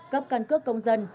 cấp căn cước công dân